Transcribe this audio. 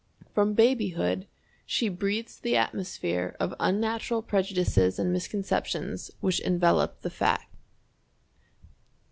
From babyhood she breathes the atmosphere of unnatural prejudices and misconceptions which envelop the fact.